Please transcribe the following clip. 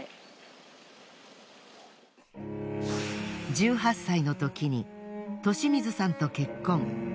１８歳のときに利水さんと結婚。